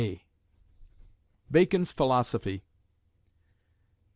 BACON'S PHILOSOPHY.